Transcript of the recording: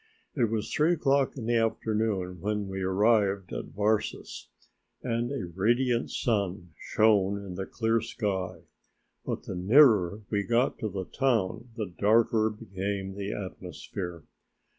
It was three o'clock in the afternoon when we arrived at Varses and a radiant sun shone in the clear sky, but the nearer we got to the town the darker became the atmosphere.